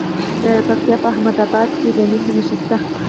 د پکتیا په احمد اباد کې د مسو نښې شته.